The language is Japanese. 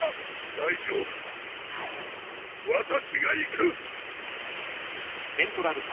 大丈夫私が行く！